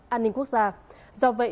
an ninh quốc gia do vậy